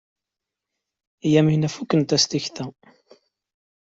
Yamina fukent-as tekta.